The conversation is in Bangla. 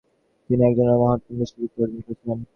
তিনি একজন মহাপণ্ডিতের স্বীকৃতি অর্জন করেছিলেন।